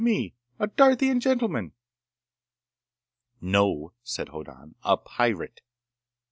Me, a Darthian gentleman!" "No," said Hoddan. "A pirate.